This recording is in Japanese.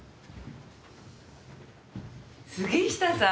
杉下さん！